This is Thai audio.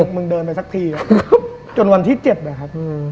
มึงเดินไปสักทีจนวันที่๗นะครับ